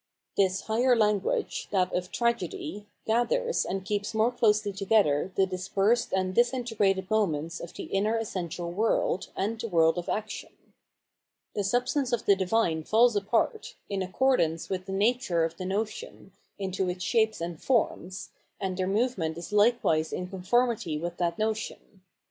This higher language, that of Tragedy, gathers and keeps more closely together the dispersed and disin tegrated moments of the inner essential world and the world of action. The substance of the divine falls apart, in accordance with the nature of the notion, into its shapes and forms, and their movement is likewise in conformity with that notion.